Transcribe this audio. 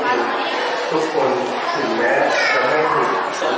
การพุทธศักดาลัยเป็นภูมิหลายการพุทธศักดาลัยเป็นภูมิหลาย